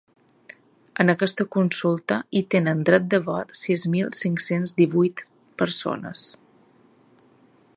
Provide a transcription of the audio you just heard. En aquesta consulta hi tenen dret de vot sis mil cinc-cents divuit persones.